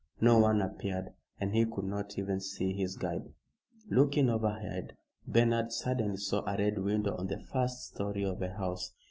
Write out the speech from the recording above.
No one appeared, and he could not even see his guide. Looking overhead, Bernard suddenly saw a Red Window on the first story of a house.